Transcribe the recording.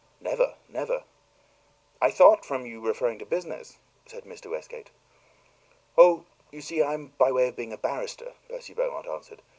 "Never never." "I thought, from your referring to business " said Mr. Westgate. "Oh, you see I'm by way of being a barrister," Percy Beaumont answered.